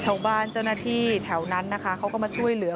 ชาวบ้านเจ้าหน้าที่แถวนั้นนะคะเขาก็มาช่วยเหลือ